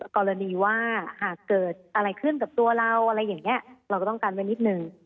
กรณีว่าหากเกิดอะไรขึ้นกับตัวเราอะไรอย่างนี้เราก็ต้องการไว้นิดนึง